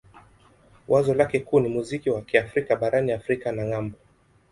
Wazo lake kuu ni muziki wa Kiafrika barani Afrika na ng'ambo.